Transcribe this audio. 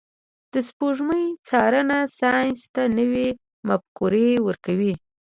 د سپوږمۍ څارنه ساینس ته نوي مفکورې ورکوي.